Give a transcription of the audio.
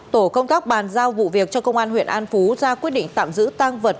tổ công tác bàn giao vụ việc cho công an huyện an phú ra quyết định tạm giữ tăng vật